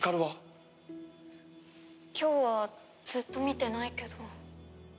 今日はずっと見てないけど。